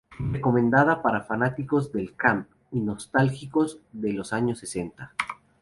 Recomendada para fanáticos del "camp" y nostálgicos de los años setenta.